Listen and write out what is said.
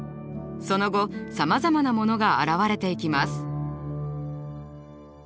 その後さまざまなものが現れていきます。